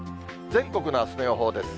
全国のあすの予報です。